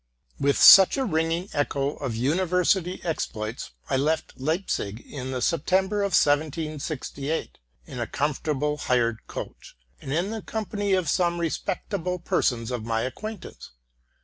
With such a ringing echo of university exploits, I left Leip zig in the September of 1768, in a comfortable hired coach, and in the company of some respectable persons of my ac quaintance.